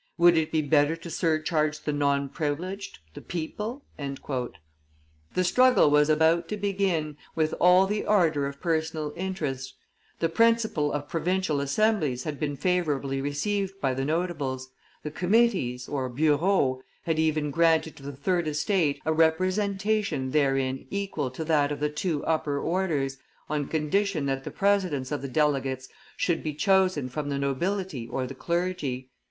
Would it be better to surcharge the non privileged, the people?" The struggle was about to begin, with all the ardor of personal interest; the principle of provincial assemblies had been favorably received by the notables; the committees (bureaux) had even granted to the third estate a representation therein equal to that of the two upper orders, on condition that the presidents of the delegates should be chosen from the nobility or the clergy.